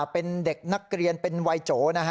เป็นเด็กนักเรียนเป็นวัยโจนะฮะ